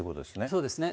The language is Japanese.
そうですね。